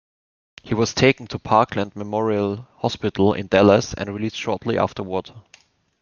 He was taken to Parkland Memorial Hospital in Dallas and released shortly afterward.